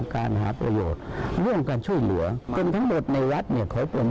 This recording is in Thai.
การช่วยเหลือ